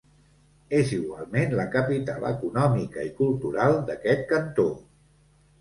És igualment la capital econòmica i cultural d'aquest cantó.